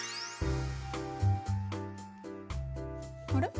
あれ？